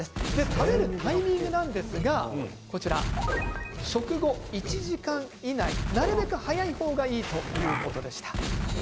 食べるタイミングですが食後１時間以内なるべく早い方がいいということでした。